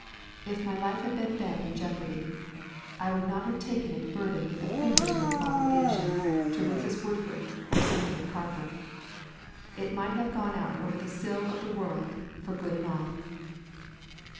If my life had been then in jeopardy, I would not have taken it burdened with a finger's weight of obligation to Rufus Woodford or Cynthia Carper. It might have gone out over the sill of the world, for good and all.